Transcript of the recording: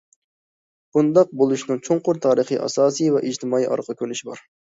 بۇنداق بولۇشنىڭ چوڭقۇر تارىخىي ئاساسى ۋە ئىجتىمائىي ئارقا كۆرۈنۈشى بار.